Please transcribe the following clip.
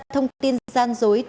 thông tin gian dối